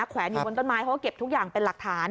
แวนอยู่บนต้นไม้เขาก็เก็บทุกอย่างเป็นหลักฐาน